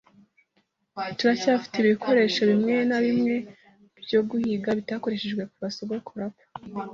Turacyafite ibikoresho bimwe na bimwe byo guhinga bitakoreshejwe kuva sogokuru apfa.